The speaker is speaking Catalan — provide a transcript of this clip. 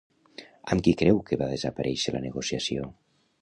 Amb qui creu que va desaparèixer la negociació?